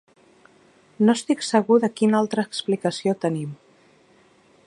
No estic segur de quina altra explicació tenim.